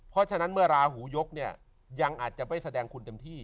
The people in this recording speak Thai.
เพราะฉะนั้นเมื่อราหูยกเนี่ยยังอาจจะไม่แสดงคุณเต็มที่